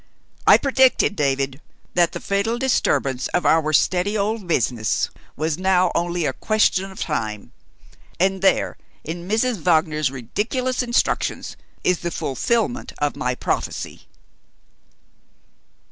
"I predicted, David, that the fatal disturbance of our steady old business was now only a question of time and there, in Mrs. Wagner's ridiculous instructions, is the fulfillment of my prophecy!"